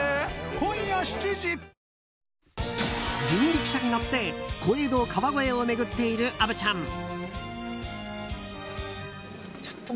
人力車に乗って小江戸・川越を巡っている虻ちゃん。